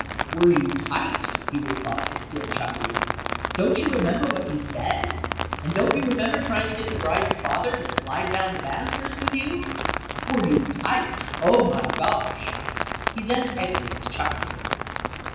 "Were you tight?" he replies, still chuckling. "Don't you remember what you said? And don't you remember trying to get the bride's father to slide down the banisters with you? Were you tight—Oh, my gosh!" He then exits, chuckling.